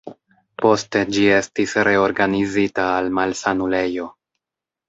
Poste ĝi estis reorganizita al malsanulejo.